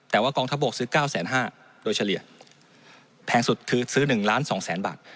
แสดงว่ากองทัพโบกซื้อ๙๕๐๐๐๐บาทโดยเฉลี่ยแพงสุดคือซื้อ๑๒๐๐๐๐๐บาท